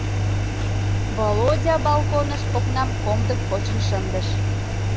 Володя балконыш окнам комдык почын шындыш.